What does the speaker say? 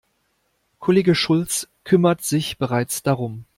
Kollege Schulz kümmert sich bereits darum.